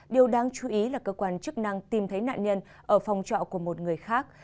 điều đáng chú ý là cơ quan chức năng tìm thấy nạn nhân ở phòng trọ của một người khác